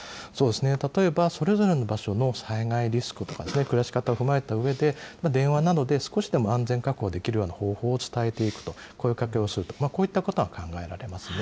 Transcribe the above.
例えば、それぞれの場所の災害リスクですとか、暮らし方を踏まえたうえで、電話などで少しでも安全確保できるような方法を伝えていくと、声かけをすると、こういったことは考えられますね。